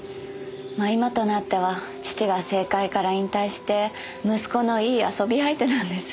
まぁ今となっては父が政界から引退して息子のいい遊び相手なんですよ。